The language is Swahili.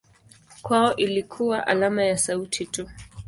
Kwao ilikuwa alama ya sauti tu.